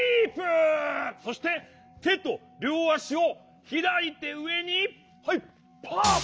そしててとりょうあしをひらいてうえにパッ！